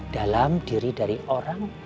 dalam diri dari orang